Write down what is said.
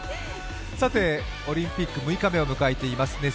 オリンピック６日目を迎えています